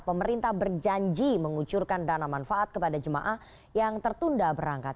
pemerintah berjanji mengucurkan dana manfaat kepada jemaah yang tertunda berangkat